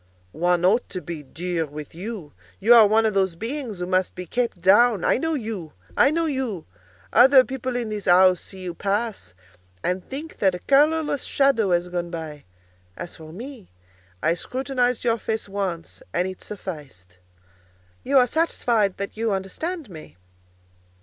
"One ought to be 'dur' with you. You are one of those beings who must be kept down. I know you! I know you! Other people in this house see you pass, and think that a colourless shadow has gone by. As for me, I scrutinized your face once, and it sufficed." "You are satisfied that you understand me?"